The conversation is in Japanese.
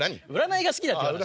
占いが好きだって話。